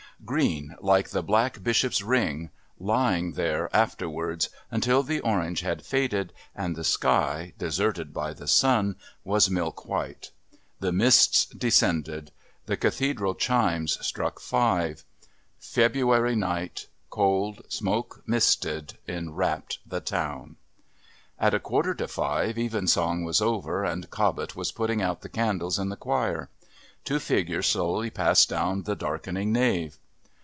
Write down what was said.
Green like the Black Bishop's ring.... Lying there, afterwards, until the orange had faded and the sky, deserted by the sun, was milk white. The mists descended. The Cathedral chimes struck five. February night, cold, smoke misted, enwrapped the town. At a quarter to five Evensong was over and Cobbett was putting out the candles in the choir. Two figures slowly passed down the darkening nave.